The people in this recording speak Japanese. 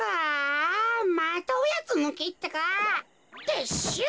てっしゅう。